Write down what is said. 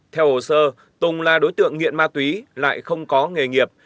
theo hồ sơ tùng là đối tượng nghiện ma túy lại không có nghề nghiệp